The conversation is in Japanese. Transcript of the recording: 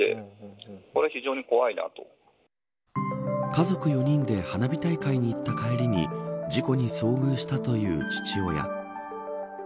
家族４人で花火大会に行った帰りに事故に遭遇したという父親。